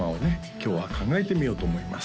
今日は考えてみようと思います